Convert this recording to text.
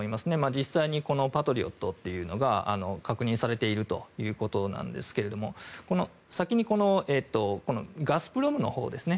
実際に、パトリオットというのが確認されているということですが先にガスプロムのほうですね。